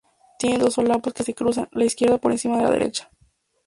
Tiene dos solapas que se cruzan, la izquierda por encima de la derecha.